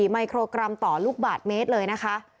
ไมโครกรัมต่อลูกบาทเมตรเลยนะคะ